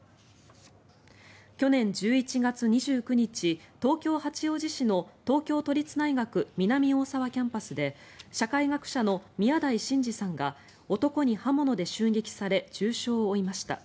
去年１１月２９日東京・八王子市の東京都立大学南大沢キャンパスで社会学者の宮台真司さんが男に刃物で襲撃され重傷を負いました。